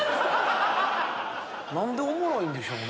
何でおもろいんでしょう？